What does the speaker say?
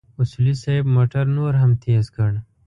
اصولي صیب موټر نور هم تېز کړ.